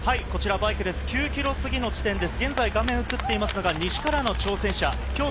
９ｋｍ過ぎの地点です。